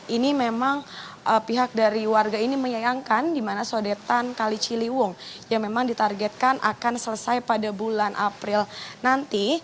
ini memang pihak dari warga ini menyayangkan di mana sodetan kali ciliwung yang memang ditargetkan akan selesai pada bulan april nanti